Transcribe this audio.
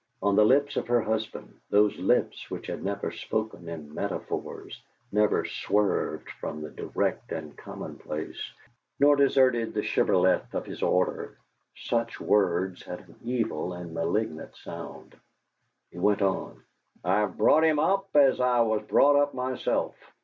On the lips of her husband, those lips which had never spoken in metaphors, never swerved from the direct and commonplace, nor deserted the shibboleth of his order, such words had an evil and malignant sound. He went on: "I've brought him up as I was brought up myself.